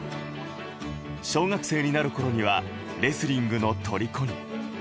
小学生になる頃にはレスリングの虜に。